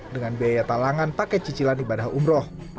dengan biaya talangan paket cicilan ibadah umroh